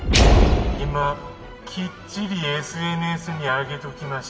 「今きっちりＳＮＳに上げておきました」